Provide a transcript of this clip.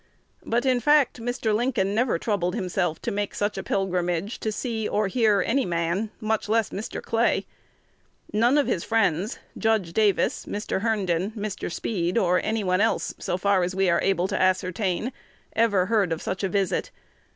But, in fact, Mr. Lincoln never troubled himself to make such a pilgrimage to see or hear any man, much less Mr. Clay. None of his friends Judge Davis, Mr. Herndon, Mr. Speed, or any one else, so far as we are able to ascertain ever heard of the visit.